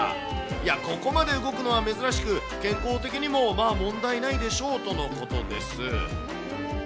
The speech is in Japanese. いや、ここまで動くのは珍しく、健康的にもまあ、問題ないでしょうとのことです。